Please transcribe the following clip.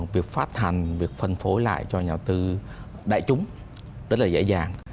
việc phát hành việc phân phối lại cho nhà đầu tư đại chúng rất là dễ dàng